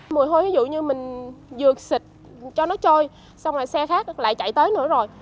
mùi hôi ví dụ như mình dược xịt cho nó trôi xong rồi xe khác lại chạy tới nữa rồi